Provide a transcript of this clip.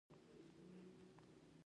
هماغه پوهه پخوانو شرایطو سره اړخ لګاوه.